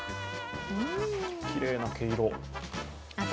きれいな毛色。